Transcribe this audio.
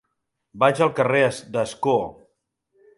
Vaig al carrer d'Ascó.